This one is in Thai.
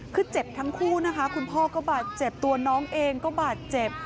คือเจ็บทั้งคู่นะคะคุณพ่อก็บาดเจ็บตัวน้องเองก็บาดเจ็บ